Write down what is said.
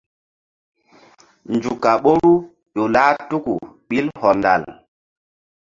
Nzuk a ɓoru ƴo lah tuku ɓil hɔndal.